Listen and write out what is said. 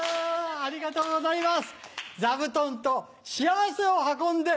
ありがとうございます。